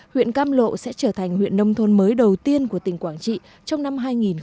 huyện cam lộ sẽ trở thành huyện nông thôn mới đầu tiên của tỉnh quảng trị trong năm hai nghìn hai mươi